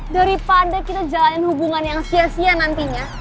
daripada kita jalanin hubungan yang sia sia nantinya